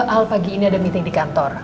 al pagi ini ada meeting di kantor